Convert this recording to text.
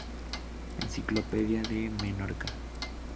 Enciclopedia de Menorca.